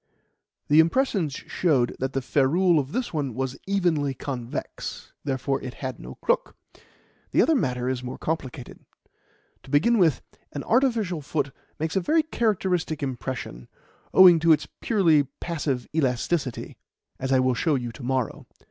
The impressions showed that the ferrule of this one was evenly convex; therefore it had no crook. The other matter is more complicated. To begin with, an artificial foot makes a very characteristic impression, owing to its purely passive elasticity, as I will show you to morrow.